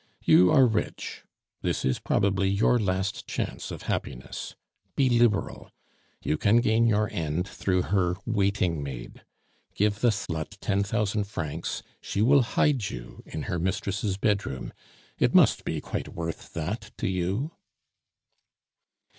You are rich; this is probably your last chance of happiness; be liberal. You can gain your end through her waiting maid. Give the slut ten thousand francs; she will hide you in her mistress' bedroom. It must be quite worth that to you."